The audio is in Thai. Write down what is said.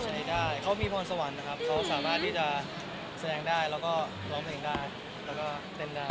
ใช้ได้เขามีพรสวรรค์นะครับเขาสามารถที่จะแสดงได้แล้วก็ร้องเพลงได้แล้วก็เต้นได้